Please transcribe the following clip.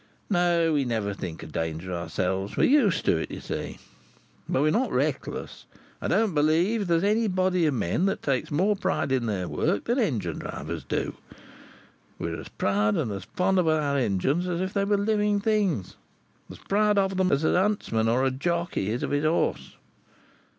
No, we never think of danger ourselves. We're used to it, you see. But we're not reckless. I don't believe there's any body of men that takes more pride in their work than engine drivers do. We are as proud and as fond of our engines as if they were living things; as proud of them as a huntsman or a jockey is of his horse.